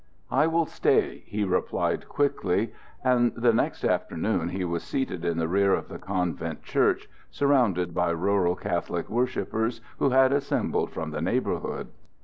"I will stay," he replied, quickly; and the next afternoon he was seated in the rear of the convent church, surrounded by rural Catholic worshippers who had assembled from the neighborhood.